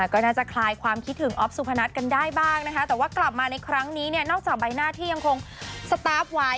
ก็น่าจะคลายความคิดถึงออฟสุพนัทกันได้บ้างนะคะแต่ว่ากลับมาในครั้งนี้เนี่ยนอกจากใบหน้าที่ยังคงสตาร์ฟไว้